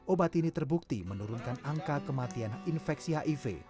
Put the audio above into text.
obat ini terbukti menurunkan angka kematian infeksi hiv